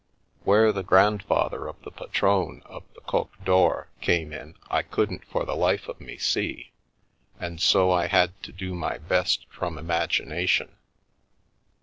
Where the grandfather of the patronne of the "Coq d'Or" came in I couldn't for the life of me see, and so I had to do my best from imagination.